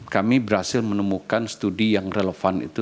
kami berhasil menemukan studi yang relevan itu